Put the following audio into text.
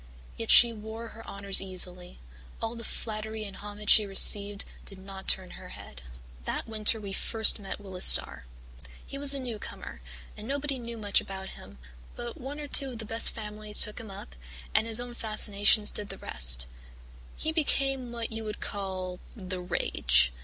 Yet she wore her honours easily; all the flattery and homage she received did not turn her head. "That winter we first met Willis Starr. He was a newcomer, and nobody knew much about him, but one or two of the best families took him up, and his own fascinations did the rest. He became what you would call the rage.